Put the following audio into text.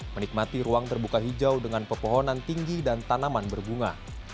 menikmati ruang terbuka hijau dengan pepohonan tinggi dan tanaman berbunga